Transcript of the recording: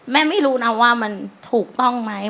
ไม่รู้นะว่ามันถูกต้องไหม